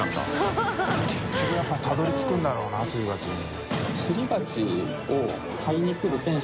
覿匹笋辰たどり着くんだろうなすり鉢に。